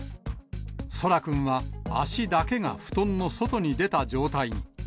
奏良くんは足だけが布団の外に出た状態に。